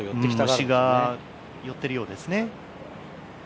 虫が寄っているようですね。